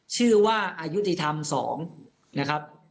ชื่อว่าอายุติธรรม๒นะครับ